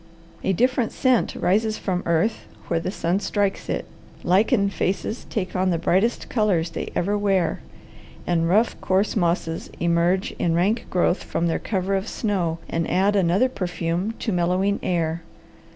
A different scent rises from earth where the sun strikes it. Lichen faces take on the brightest colours they ever wear, and rough, coarse mosses emerge in rank growth from their cover of snow and add another perfume to mellowing air.